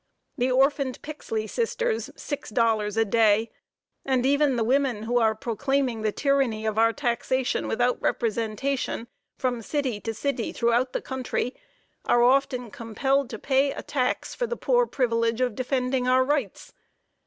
The orphaned Pixley sisters, six dollars a day, and even the women, who are proclaiming the tyranny of our taxation without representation, from city to city throughout the country, are often compelled to pay a tax for the poor privilege of defending our rights.